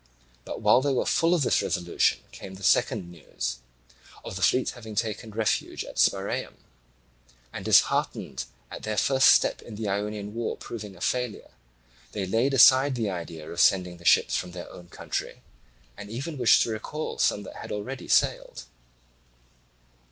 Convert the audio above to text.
But while they were full of this resolution came the second news of the fleet having taken refuge in Spiraeum; and disheartened at their first step in the Ionian war proving a failure, they laid aside the idea of sending the ships from their own country, and even wished to recall some that had already sailed.